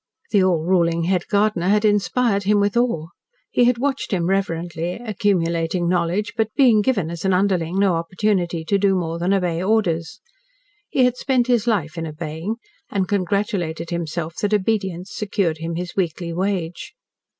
The all ruling head gardener had inspired him with awe. He had watched him reverently, accumulating knowledge, but being given, as an underling, no opportunity to do more than obey orders. He had spent his life in obeying, and congratulated himself that obedience secured him his weekly wage.